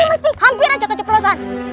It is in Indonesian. pasti hampir aja keceplosan